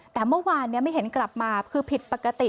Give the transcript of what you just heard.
แต่เมื่อวานไม่เห็นกลับมาคือผิดปกติ